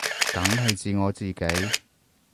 梗係指我自己